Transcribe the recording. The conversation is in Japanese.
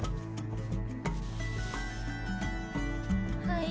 はい。